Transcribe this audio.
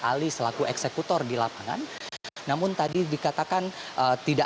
jadi ini adalah pengelakangan yang terjadi oleh saiful muntohir